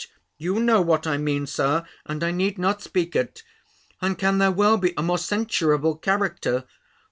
"You know what I mean. Sir, and I need not speak it: and can there well be a more censurable character?